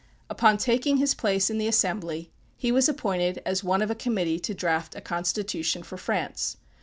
Upon taking his place in the Assembly he was appointed as one of a committee to draft a constitution for France.